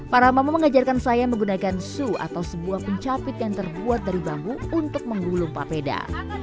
para mama mengajarkan saya menggunakan su atau sebuah pencapit yang terbuat dari bambu untuk menggulung papeda